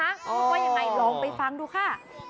พูดว่ายังไงลองไปฟังดูค่ะ